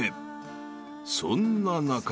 ［そんな中］